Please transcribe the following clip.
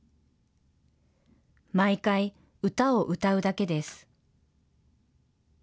毎回、歌を歌うだけです。